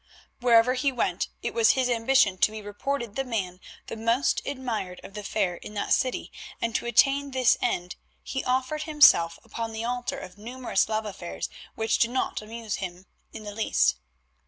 Wherever he went it was his ambition to be reported the man the most admired of the fair in that city, and to attain this end he offered himself upon the altar of numerous love affairs which did not amuse him in the least.